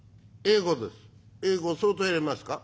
「英語です」。